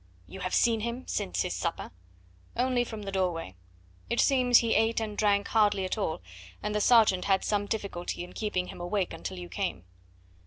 "You have seen him since his supper?" "Only from the doorway. It seems he ate and drank hardly at all, and the sergeant had some difficulty in keeping him awake until you came."